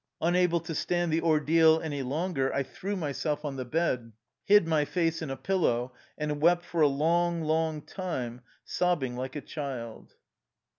Unable to stand the ordeal any longer, I threw myself on the bed, hid my face in a pillow, and wept for a long, long time, sobbing like a child.